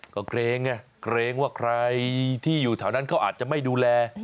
ก็เกรงไงเกรงว่าใครที่อยู่แถวนั้นเขาอาจจะไม่ดูแล